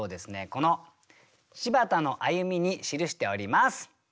この「柴田の歩み」に記しております。